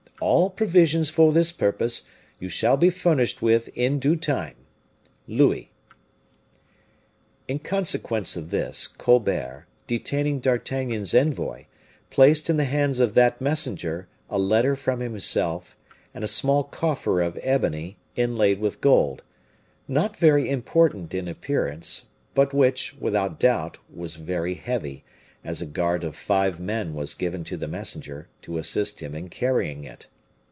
All provisions for this purpose you shall be furnished with in due time. LOUIS." In consequence of this, Colbert, detaining D'Artagnan's envoy, placed in the hands of that messenger a letter from himself, and a small coffer of ebony inlaid with gold, not very important in appearance, but which, without doubt, was very heavy, as a guard of five men was given to the messenger, to assist him in carrying it.